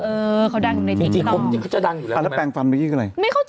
เออเขาดังอยู่ในติ๊กต่อ